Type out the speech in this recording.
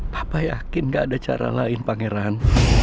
papa yakin gak ada cara lain pangeran